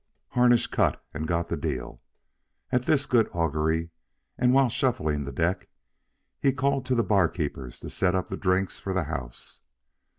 Harnish cut and got the deal. At this good augury, and while shuffling the deck, he called to the barkeepers to set up the drinks for the house.